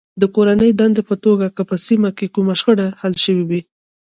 د کورنۍ دندې په توګه که په سیمه کې کومه شخړه حل شوې وي.